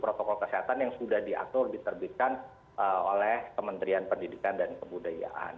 protokol kesehatan yang sudah diatur diterbitkan oleh kementerian pendidikan dan kebudayaan